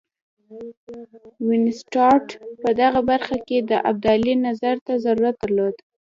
وینسیټارټ په دغه برخه کې د ابدالي نظر ته ضرورت درلود.